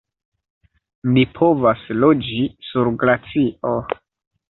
"Ni povas loĝi sur glacio!"